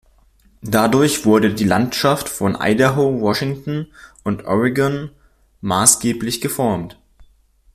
Dadurch wurde die Landschaft von Idaho, Washington und Oregon maßgeblich geformt.